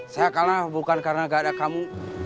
saya kalah bukan karena gak ada kamu